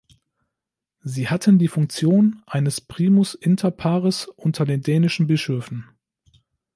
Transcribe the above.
Sie hatten die Funktion eines primus inter pares unter den dänischen Bischöfen.